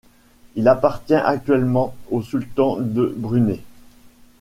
Il appartient actuellement au sultan de Brunei.